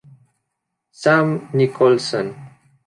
Sam Nicholson